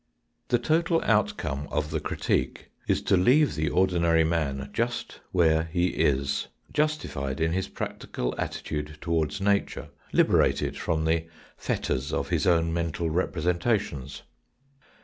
The total outcome of the critique is to leave the ordinary man just where he is, justified in his practical attitude towards nature, liberated from the fetters of his own mental representations.